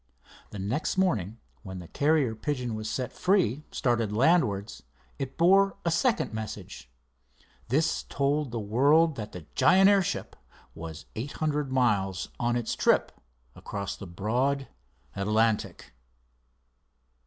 The next morning when the carrier pigeon was set free, started landwards, it bore a second message. This told the world that the giant airship was eight hundred miles on its trip across the broad Atlantic.